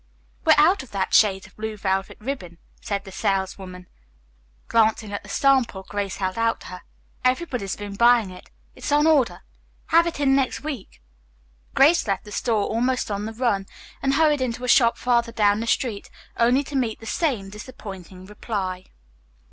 "We're out of that shade of blue velvet ribbon," said the saleswoman, glancing at the sample Grace held out to her. "Everybody's been buying it. It's on order. Have it in next week." Grace left the store almost on the run and hurried into a shop farther down the street, only to meet with the same disappointing reply.